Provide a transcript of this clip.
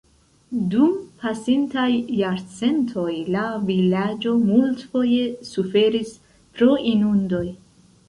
Dum pasintaj jarcentoj la vilaĝo multfoje suferis pro inundoj.